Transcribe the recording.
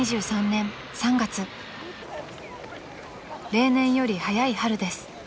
［例年より早い春です］